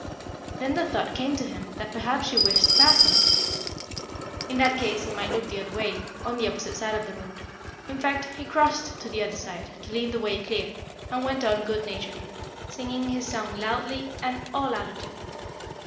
Then the thought came to him that perhaps she wished to pass him. In that case he might look the other way, on the opposite side of the road. In fact, he crossed to the other side to leave the way clear, and went on good naturedly, singing his song loudly and all out of tune.